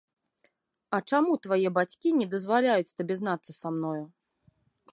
А чаму твае бацькі не дазваляюць табе знацца са мною?